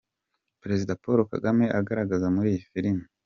Perezida Paul Kagame agaragara muri iyi filime.